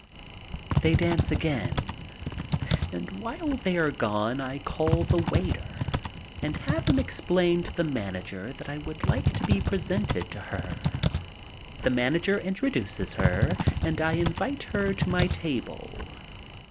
They dance again, and while they are gone I call the waiter and have him explain to the manager that I would like to be presented to her. The manager introduces her and I invite her to my table.